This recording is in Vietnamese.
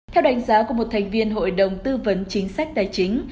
theo đánh giá của một thành viên hội đồng tư vấn chính sách tài chính